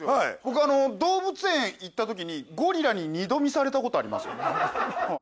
僕動物園行ったときにゴリラに二度見されたことありますよ。